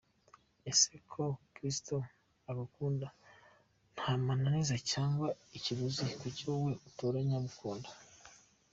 Ese ko Kristo agukunda nta mananiza cyangwa ikiguzi kuki wowe utoranya abo ukunda?.